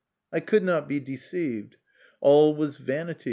I could not be deceived. All was vanity.